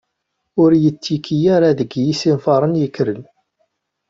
Ur yettekki ara deg yisenfaṛen yekkren.